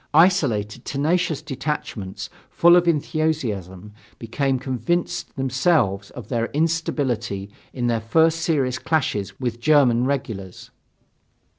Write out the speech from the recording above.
Isolated tenacious detachments full of enthusiasm became convinced themselves of their instability in their first serious clashes with German regulars.